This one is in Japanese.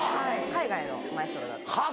海外のマエストロだったんですけど。